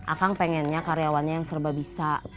akang pengennya karyawannya yang serba bisa